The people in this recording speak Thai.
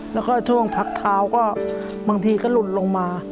แล้วก็ช่วงพักเท้าก็บางทีก็หล่นลงมา